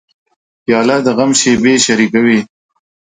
پیاله د غم شېبې شریکوي.